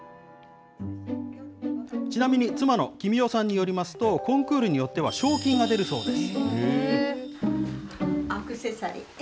ちなみに、妻の君代さんによりますと、コンクールによっては賞金が出るそうです。